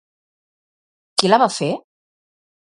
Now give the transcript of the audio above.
Qui la va fer?